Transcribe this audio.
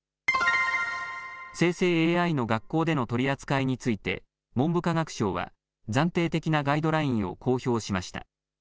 生成ＡＩの学校での取り扱いについて、文部科学省は暫定的なガイドラインを公表しました。